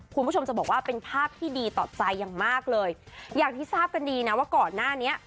คุณผู้ชมจะบอกว่าเป็นภาพที่ดีต่อใจอย่างมากเลยอย่างที่ทราบกันดีนะว่าก่อนหน้านี้